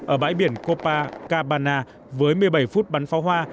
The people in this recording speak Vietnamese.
ở bãi biển copacabana với một mươi bảy phút bắn pháo hoa